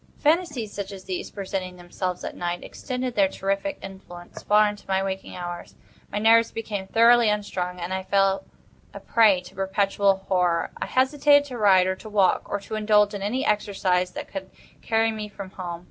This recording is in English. Phantasies such as these, presenting themselves at night, extended their terrific influence far into my waking hours. My nerves became thoroughly unstrung, and I fell a prey to perpetual horror. I hesitated to ride, or to walk, or to indulge in any exercise that would carry me from home.